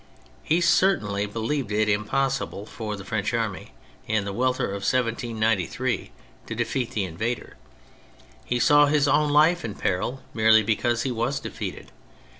He certainly believed it impossible for the French army, in the welter of 1793, to defeat the invader. He saw his own life in peril merely because he was defeated.